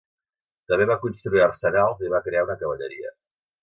També va construir arsenals i va crear una cavalleria.